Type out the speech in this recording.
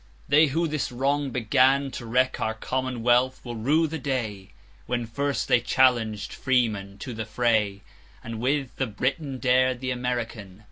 They who this wrong beganTo wreck our commonwealth, will rue the dayWhen first they challenged freemen to the fray, And with the Briton dared the American.